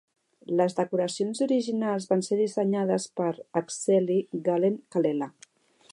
Les decoracions originals van ser dissenyades per Akseli Gallen-Kallela.